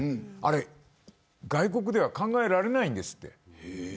あれは外国では考えられないんですって。